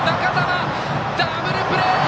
ダブルプレー！